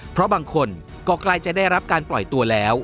เพราะบางคนก็ใกล้จะได้รับการปล่อยตัวแล้ว